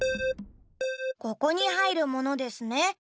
ここにはいるものですね。